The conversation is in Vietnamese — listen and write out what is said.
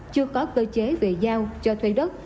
chưa có cơ chế về giao cho thuê đất